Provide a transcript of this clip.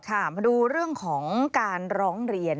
มาดูเรื่องของการร้องเรียน